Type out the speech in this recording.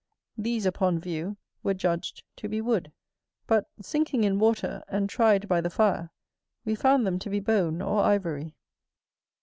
These, upon view, were judged to be wood; but, sinking in water, and tried by the fire, we found them to be bone or ivory.